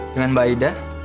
dengan mbak ida